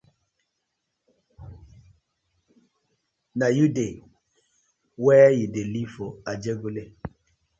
Na yu dey wey dey live for ajegunle.